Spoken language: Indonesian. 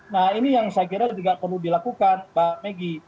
nah ini yang saya kira juga perlu dilakukan mbak megi